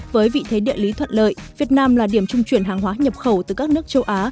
với vị thế địa lý thuận lợi việt nam là điểm trung chuyển hàng hóa nhập khẩu từ các nước châu á